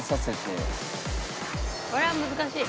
これは難しい。